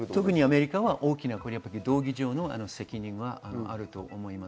特にアメリカは道義上の責任はあると思います。